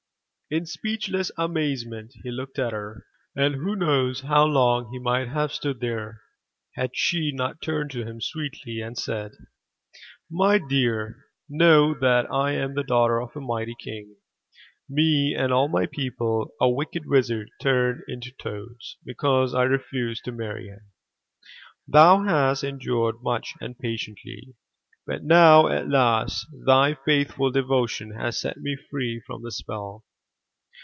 In speechless amaze ment he looked at her, and who knows how long he might have stood there had she not turned to him sweetly and said: "My dear, know that I am the daughter of a mighty King. Me and all my people a wicked wizard turned into toads because I refused to marry him. Thou hast endured much and patiently, but now at last thy faithful devotion has set me free from the spell.